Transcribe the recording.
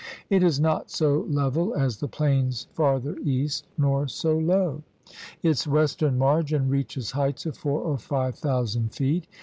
It is not so level as the plains farther east nor so low. Its western margin reaches heights of four or five 1^ 74 THE RED MAN'S CONTINENT thousand feet.